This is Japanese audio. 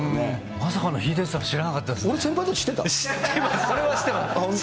まさかのヒデさん、知らなかったですね。